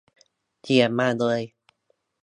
เขียนมาเลย